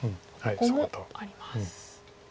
ここもあります。